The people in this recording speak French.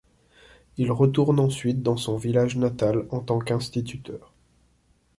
Il retourne ensuite dans son village natal en tant qu'instituteur.